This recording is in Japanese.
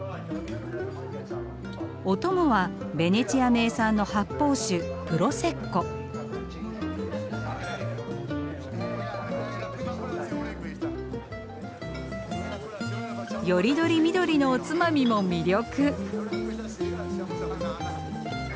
お供はベネチア名産の発泡酒よりどりみどりのおつまみも魅力。